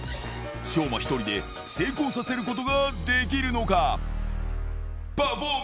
将魔一人で成功させることができるのか。